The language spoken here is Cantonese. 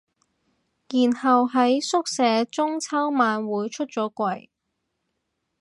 然後喺宿舍中秋晚會出咗櫃